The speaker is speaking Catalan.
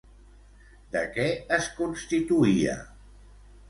De què es constituïa?